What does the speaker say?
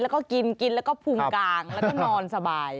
แล้วก็กินกินแล้วก็พุงกลางแล้วก็นอนสบาย